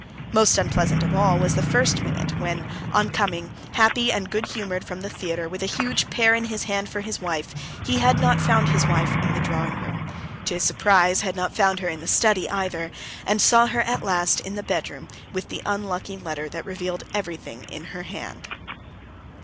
Most unpleasant of all was the first minute when, on coming, happy and good humored, from the theater, with a huge pear in his hand for his wife, he had not found his wife in the drawing room, to his surprise had not found her in the study either, and saw her at last in her bedroom with the unlucky letter that revealed everything in her hand.